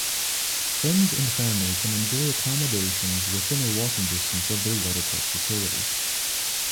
Friends and family can enjoy accommodations within a walking distance of their waterpark facility.